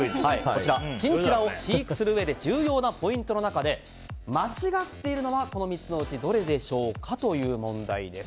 チンチラを飼育するうえで重要なポイントの中で間違っているのはこの３つのうちどれでしょうかという問題です。